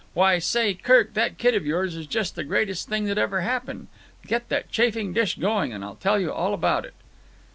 Why, say, Kirk, that kid of yours is just the greatest thing that ever happened. Get that chafing dish going and I'll tell you all about it."